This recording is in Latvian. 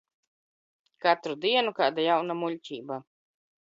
Katru dienu kāda jauna muļķība.